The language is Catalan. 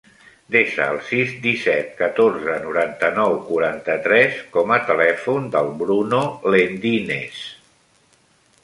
Desa el sis, disset, catorze, noranta-nou, quaranta-tres com a telèfon del Bruno Lendinez.